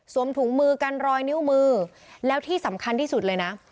ถุงมือกันรอยนิ้วมือแล้วที่สำคัญที่สุดเลยนะ